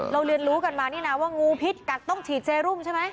เรียนรู้กันมานี่นะว่างูพิษกัดต้องฉีดเจรุมใช่ไหม